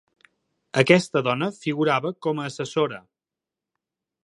Aquesta dona figurava com a assessora.